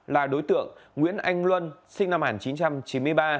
là đối tượng nguyễn anh luân sinh năm một nghìn chín trăm chín mươi ba